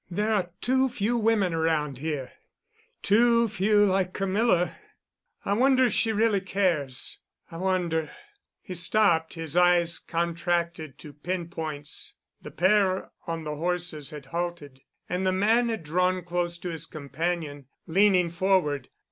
There are too few women around here—too few like Camilla. I wonder if she really cares. I wonder——" He stopped, his eyes contracted to pin points. The pair on the horses had halted, and the man had drawn close to his companion, leaning forward.